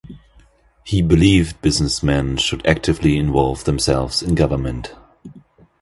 He believed businessmen should actively involve themselves in government.